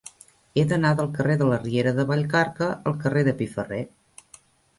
He d'anar del carrer de la Riera de Vallcarca al carrer de Piferrer.